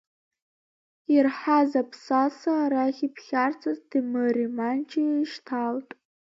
Ирҳаз аԥсаса арахь иԥхьарцарц, Ҭемыри Манчеи еишьҭалт.